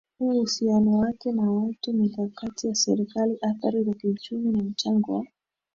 huu uhusiano wake na watu mikakati ya Serikali athari za kiuchumi na mchango wa